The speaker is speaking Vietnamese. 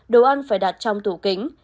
đồ ăn phải đặt trong tủ kính